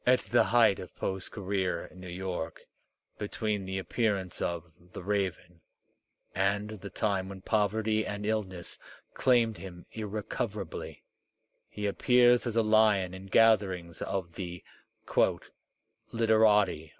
At the height of Poe's career in New York, between the appearance of "The Raven" and the time when poverty and illness claimed him irrecoverably, he appears as a lion in gatherings of the "literati."